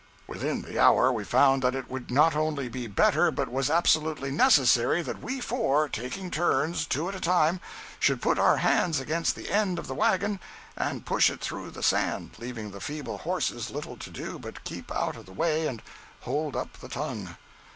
Within the hour, we found that it would not only be better, but was absolutely necessary, that we four, taking turns, two at a time, should put our hands against the end of the wagon and push it through the sand, leaving the feeble horses little to do but keep out of the way and hold up the tongue.